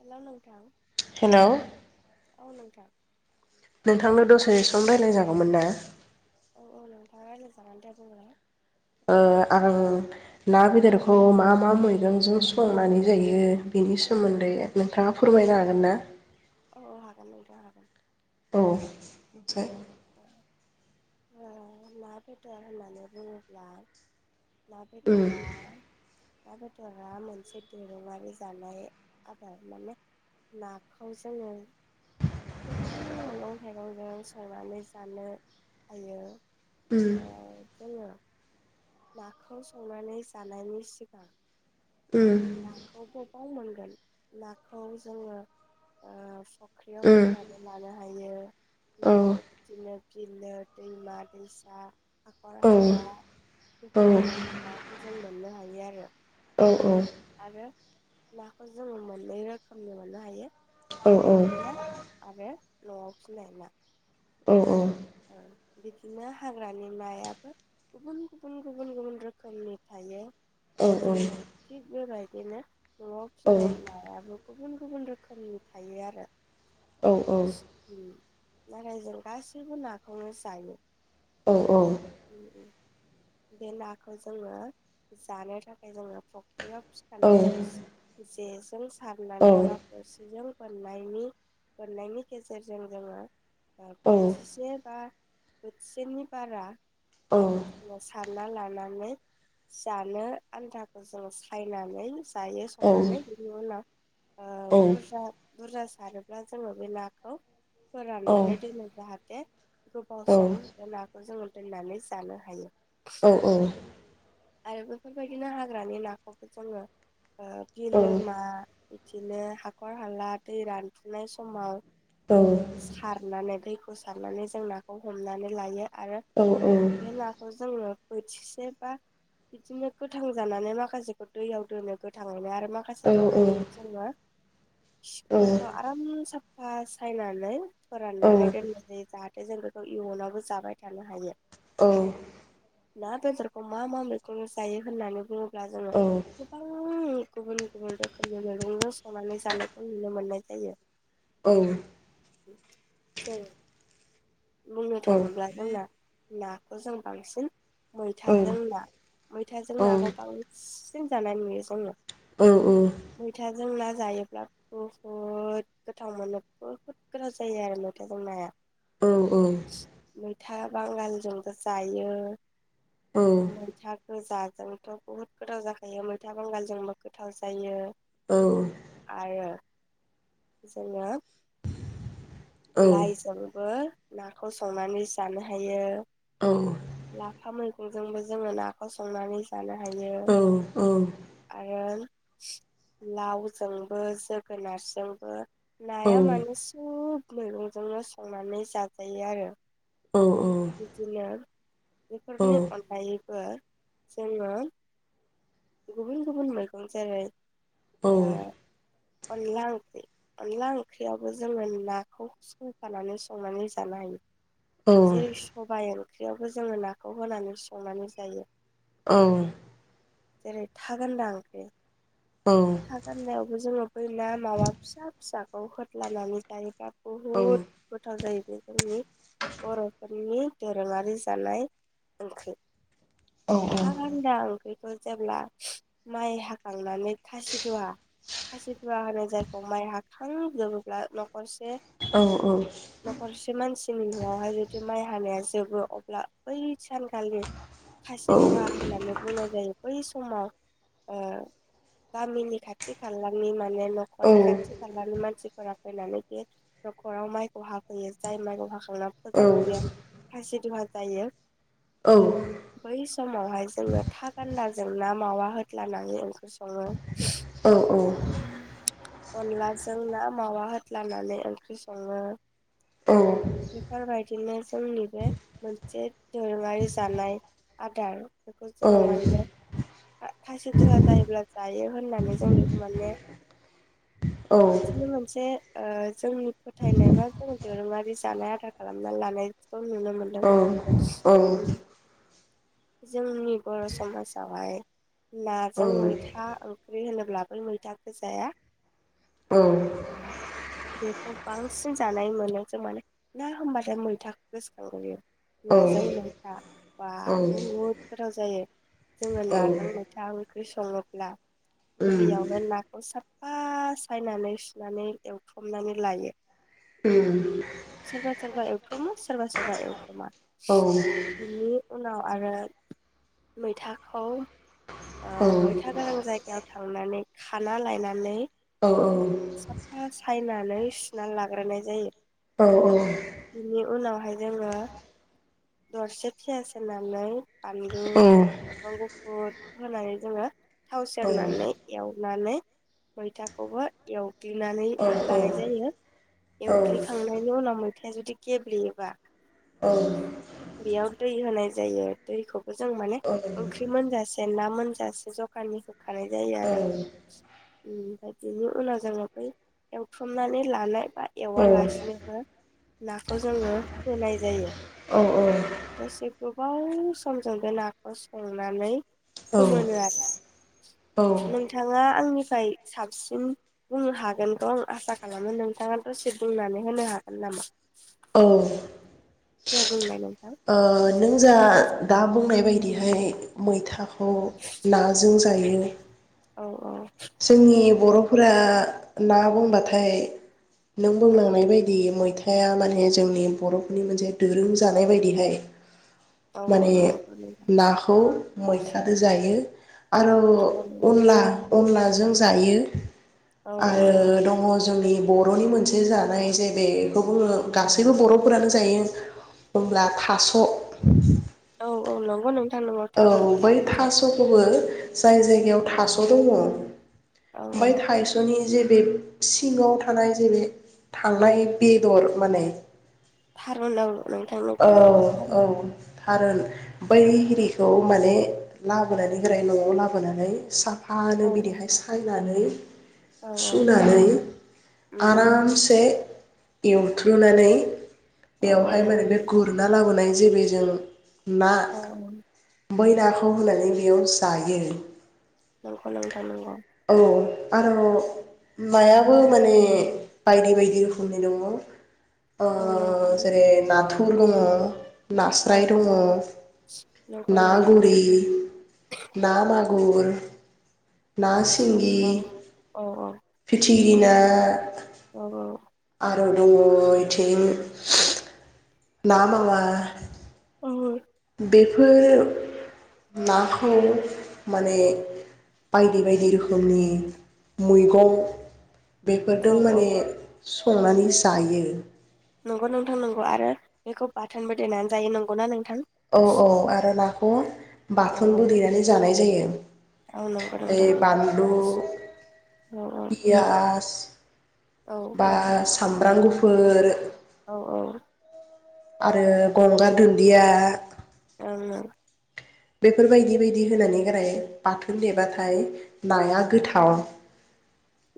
Hello नोंथां। Hello औ नोंथा। नोंथांनो दसे सम रायलाय जागौमोन ना? औ औ नोंथां रायलायजागोन दे बुंलाय ओ आं ना बेदरखौ मा मा मैगंजों संनानै जायो बेनि सोमोन्दै नोंथांङा फोरमायनो हागोन ना? औ औ हागोन नोंथां हागोन। औ थाय ओ ना बेदर होननानै बुंङोब्ला ना उम बेदरया ना बेदरा मोनसे दोरोंङारि जानाय आदार माने नाखौ जोंङो गोबां मैगं थाइगंजों संनानै जानो हायो। उम ओ जोंङो नाखौ संनानै जानायनि सिगां उम [unintelligible] फाव मोनगोन नाखौ जोंङो ओ सं ओंख्रियाव उम थिलानो लानो हायो औ नाखौ इदिनो बिरनो दैमा दैसा हाखर औ हाला औ बेफोरबायदि नाखौ जों मोननो हायो आरो। औ औ ना खौ जोंङो मोननै रोखोमनि मोननो हायो। औ हाग्रानि ना आरो न' आव फिनाय ना। औ ओ बिदिनो हाग्रानि नायाबो गुबुन-गुबुन गुबुन-गुबुन रोखोमनि थायो। बिदिनो। [unintelligible] बेबायदिनो न'आव फिनाय नायाबो गुबुन गुबुन रोखोमनि थायो आरो उम नारायजों गासैबो ना खौनो जायो। औ औ। बे नाखौ जोङो जानो थाखाय जोङो बेयाव फिखानाय जेजों सारनानै बा बोरसिजों बनायनि मोनोननायनि गेजेरजों जोङो बोथिसे बा बोथिसेनि बारा औ साना लानानै जानो आन्थाखौ जों सायनानै जायो सनानै हयो न आ बुरजा बुरजा सारोब्ला जोङो बे नाखौ फोराननानै दोनो जाहाथे गोबाव सम खौ जोङो दोननानै जानो हायो। औ औ आरो बेफोरबायदिनो हाग्रानि नाखौबो जोङो औ बिलोमा बिदिनो हाखर हाला दै रानफुनाय समाव औ सारनानै दैखौ सार हारनानै जों नाखौ हमनानै लायो। आरो औ बे नाखौ जोङो बोथिसे बा बिदिनो गोथां जानानै माखासेखौ दैयाव दोनो गोथाङैनो आरो माखासे थैनाय औ जेनङा सिफोरखौ आराम साफा सायनानै औ फोराननानै दोननो। ज जाहाथे जों बेखौ इयुनावबो जाबाय थानो हायो। औ ना बेदरखौ मा मा मैगं जायो होननानै बुङो ब्ला जों गोबां गुबुन गुबुन रोखोमनि मैगंजों संनानै जानायखौ नुनो मोननाय जायो। औ जायो बुंनो थाङोब्ला जोंना ना खौ जों बांसिन मैथाजों ना‌ मैथाजों नाखौ बांसिन जानाय नुयो जोङो औ औ मैथाजों ना जायोब्ला बुहुद गोथाव मोनो बुहुद गोथाव जायो आरो मैथाजों नाया मैथा बांगालजोंबो जायो मैथा गोजाजोंथ' बुहुद गोथाव जाखायो मैथा बांगालजोंबो गोथाव जायो औ आरो जोङो लायजोंबो‌ नाखौ संनानै जानो हायो। औ फा मैगंजोंबो जोङो नाखौ संनानै जानो हायो आरो लावजोंबो, जोगोनारजोंबो नाया माने सोब मैगंजोंनो संनानै जा जायो आरो बिदिनो बेफोरनि अनगायै बो जोङो गुबुन गुबुन मैगं जेरै औ ओ अनला ओंख्रि अनला ओंख्रियावबो जोङो नाखौ होफानानै संनानै जानो हायो जेरै सबाइ ओं ख्रियावबो जोङो नाखौ होनानै संनानै जायो औ जेरै थागान्दा ओंख्रि था गान्दायावबो जोङो बै ना मावा फिसा फिसाखौ होदलानानै जायोबा गोथाव जाहैबाय जोंनि बर'फोरनि दोरोङारि जानाय ओंख्रि था गान्दा ओंख्रिखौ जेब्ला माइ हाखांनानै खासिदुवा खासिदुवा होनो जायखौ माइ हाखांजोबोब्ला न'खरसे औ औ नख'रसे मानसिनि न'आवहाय जुदि माइ हानाया जोबो अब्ला बै सानखालि खासि दुवा होननानै बुंनाय जायो। बै समाव ओ गामिनि खाथि खालानि मान ने न'खरनि खाथि-खालानि मान मानसिफोरा फैनानै बे न'खराव माइखौ हाफैयो जाय माइखौ हाखांना फोजोबो बेयाव खासि दुहा जायो। औ। बै समावहाय जोङो था। गान्दाजों ना मावा होथ्लानानै ओंख्रि सङो अनलाजों ना मावा होदलानानै ओंख्रि सङो बेफोरबायदिनो जोंनि बे मोनसे दोरोङारि जानाय आदार। बेखौ जोङो माने। खासि दुहा जायोब्ला जायो होननानै जों बेखौ माने। बिदिनो मोनसे। ओ जोंनि फोथायनाय बा जों दोरोङारि जानाय आदार खालामनानै लानाय। खौ नुनो मोनदों ओ। जोंनि बर' समाजावहाय। नाजों मैथा ओं ओंख्रि होनोब्ला बै मैथाखौ जाया औ बेखौ बांसिन जानाय मोनो जों माने ना होनबाथाय मैथाखौ गोसोखांग्रोयो। औ नाजों औ मैथा बा। औवो‌ फ्राव‌ जों। जायो। जोङो नाजों मैथा ओं ओंख्रि सङोब्ला गिबियावनो नाखौ साफा सायनानै सुनानै एवथ्रमनानै लायो। ओम। सोरबा सोरबा एवथममो सोरबा सोरबा एवथोमा। औ। उनाव। आरो मैथाखौ। अ मैथा गोनां जायगायाव। थांनानै खाना लायनानै। साफा सायना। नै सुना लाग्रोनाय जायो। औ औ। बिनि उनावहाय जोङो दरसे पियास एबा। नानै। फानलु हरनांगौ। गुद होनानै जोङो थाव सेरनानै एवनानै मैथाखौबो एवग्लिनानै लानाय नों जायो एवग्लिखांनायनि उनाव मैथाया जुदि गेब्लेयोबा बेयाव दै होनाय। जायो दैखौबो जों माने ओंख्रि मोनजासे ना मोनजासे जखानि होखानाय जायो आरो ओम ओमफ्राय बिनि उनाव जोङो बै एवथ्रमनानै लानाय बा एवालासिनोबो नाखौ जोङो होनाय जायो दसे। गोबाव समजों बे नाखौ संनानै फोमोनो आरो। नोंथां। नोंथाङा आंनिफ्राय साबसिन बुंनो हागोनखौ आं आसा खालामो नोंथाङा दसे बुंनानै होनो हागोन नामा। बे बुंनाय नों। ओ नों जा दा बुंनाय बायदिहाय मैथा। खौ नाजों जायो। औ औ जोंनि बर'फोरा ना बुंबाथाय नों औ बुंलांनाय बायदि मैथा थाया माने जोंनि बर'फोरनि मोनसे दोरों जानाय बायदिहाय औ औ माने नंगौ नोंथां नाखौ मैथादो जायो। आरो नंगौ नोंथां अनला अनलाजों जायो। औ औ आरो नंगौ दङ जोंनि बर'नि मोनसे जानाय जे बेखौ बुङो गासैबो बर'फोरानो जायो होमब्ला थास'। औ औ नंगौ नोंथां नंगौ औ थारुन बै थारुनजों थास'खौबो जाय जायगायाव औ थास' औ दङ औ औ ओमफाय थाइस'नि जे बे सिङाव थानाय जे बे थांनाय बेदर माने थारुनाव नोंथां औ नंगौ नंगौ। औ थारुन [unintelligible] खौ माने लाबोनानै गोरायै न'आव लाबोनानै साफ आ औ नों बिदिहाय सायनानै औ [inaudible] सुनानै उम उम आरामसे एवथ्रुनानै औ औ बेवहाय माने नंगौ बे नोंथां गुरना लाबोनाय। जेरै जों ना औ बै नाखौ होनानै बेयाव जायो। नोंखौ नोंथां नोंग आरोबाव नायाबो माने बायदि बायदि रोखोमनि दङ। ओ औ जेरै नाथु [unintelligible] नास्राय दङ। नंगौ ना [unintelligible] नोंथां मागुर ना सि औ औ औ गिना औ औ। आरो दङ इथिं। ना मावा [unintelligible] बेफोर नाखौ माने बायदि बायदि रोखोमनि मैगं औ बेफोरदों औ माने संनानै जायो। नंगौ नोंथां नंगौ आरो बेखौ बाथोनबो देनानै जायो नंगौना नों औ औ आरो ला अ औ बाथोनबो देनानै जानाय जायो। औ नंगौ [unintelligible] ओइ नोंथां नंगौ बानलु औ पियाज औ बा सामब्रां गुफुर औ औ। आरो गंगार दुनदिया ओं ओं। बेफोर बायदि बायदि होनानै गाराय बाथोन देबाथाय नाया गोथाव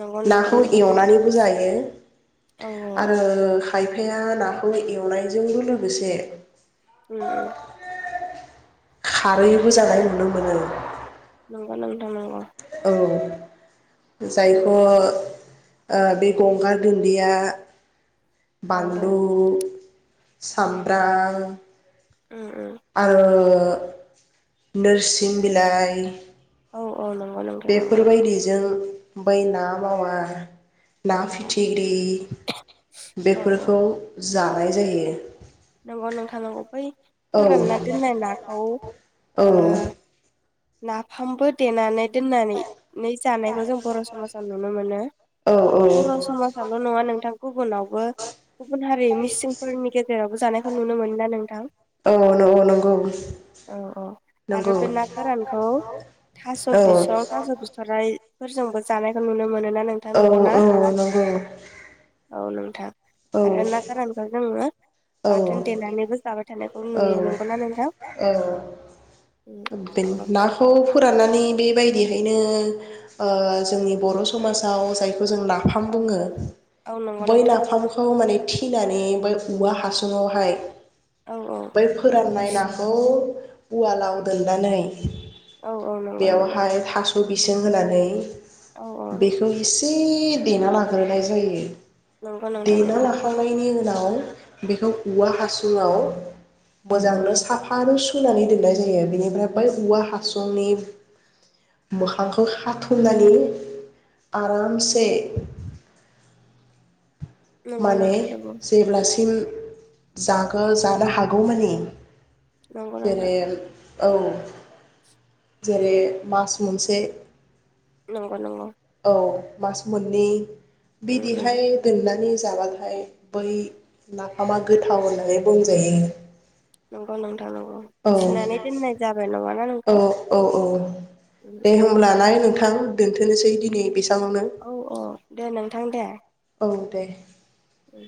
नंगौ नोंथां नाखौ नंगौ एवनानैबो जायो औ आरो खायफाया नाखौ एवनायजोंबो लोगोसे उम उम। खारैबो जानाय नुनो मोनो। नंगौ नोंथां नंगौ। औ। जायखौ ओ बे गंगार दुन्दिया औ औ बानलु सामब्रां उम उम आओ ओ नोरसिं बिलाइ औ औ नंगौ नोंथां बेफोर नंगौ बायदिजों बै ना मावा ना फिथिग्रि इ औ बेफोरखौ जानाय जायो। नोंगौ नोंथां नंगौ बै औ फोरानना दोननाय नाखौ औ ओ नाफामबो देनानै दोननानै जानायखौ जों बर' समाजाव नुनो मोनो औ बर' समाजावल' नङा नोंथां गुबुनावबो गुबुन हारि मिसिंफोरनि गेजेराव नुनो मोनो ना नोंथां औ नं- नंगौ औ औ आरो नंगौ बे ना गोरानखौ औ फोरजोंबो जानायखो नुनो मोनो ना नोंथां नंगौ ना औ नंगौ औ नों थां। औ आरो ना गोरानखौ जोङो। औ बाथोन देनानैबो जाबाय थानायखौ औ नुयो नंगौना नोंथां? औ उम उम नंगौ। नाखौ फोराननानै बे। बेबायदिहैनो जोंनि बर' समाजाव जानाय जों नाफाम औ बुङो औ औ नंगौ बै नोंथां नाफामखौ माने थिनानै बो औवा हासुङावहाय औ औ बै फोराननाय नाखौ उवालाव देनानै औ औ नंगौ नोंथां बेयावहाय थास थास बिसं होनानै। औ औ बेखौ एसे देना लाग्रोनाय जायो नंगौ नोंथां देना नंगौ लाखांनायनि उनाव नाव। बेखौ औवा हासुंआव औ औ मोजांनो साफानो सु सोनानै दोननाय जायो बेनिफ्राय बै औवा हासुंनि मोखांखौ खाथुमनानै आरामसे नंगौ माने नोंथां नंगौ जेब्लासिम जागौ जानो हागौ मानि नंगौ नोंथां जेरै औ जेरै मास मोनसे नंगौ नंगौ औ मास मोननै उम उम बिदिहाय दोननानै जाबाथाय बै नाफामा गोथाव होननानै बुंजायो। नंगौ नंगौ। औ थिनानै दोननाय जाबाय नङाना औ नोंथां? औ औ उम दे उम होब्ला ना नोंथां दोनथनोसै दिनै बिसां औ औ दे नोंथां दे। औ दे। उम